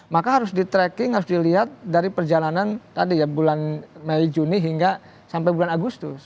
maka harus di tracking harus dilihat dari perjalanan tadi ya bulan mei juni hingga sampai bulan agustus